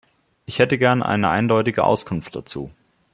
Ich hätte gern eine eindeutige Auskunft dazu.